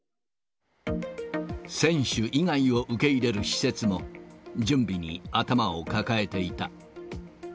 選手以外を受け入れる施設も、準備に頭を抱えていた。